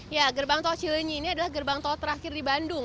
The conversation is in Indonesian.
ya gerbang tol cilinyi ini adalah gerbang tol terakhir di bandung